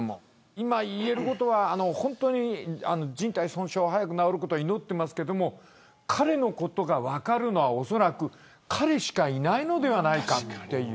今、言えることは靱帯損傷が早く治ることを祈っていますが彼のことが分かるのは、おそらく彼しかいないのではないかという。